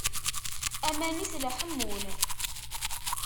Aman-is la ḥemmun.